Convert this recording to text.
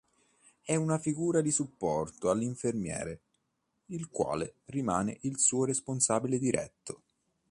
È una figura di supporto all' infermiere, il quale rimane il suo responsabile diretto.